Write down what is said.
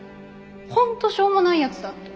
本当しょうもない奴だって。